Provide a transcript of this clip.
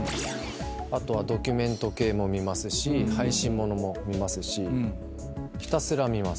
あとはドキュメント系も見ますし配信物も見ますしひたすら見ます。